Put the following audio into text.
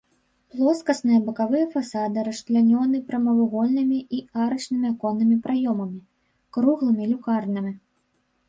Плоскасныя бакавыя фасады расчлянёны прамавугольнымі і арачнымі аконнымі праёмамі, круглымі люкарнамі.